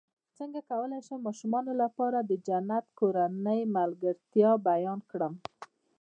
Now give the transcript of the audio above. څنګه کولی شم د ماشومانو لپاره د جنت د کورنۍ ملګرتیا بیان کړم